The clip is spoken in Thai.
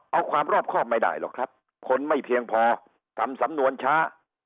เอาความรอบครอบไม่ได้หรอกครับคนไม่เพียงพอทำสำนวนช้า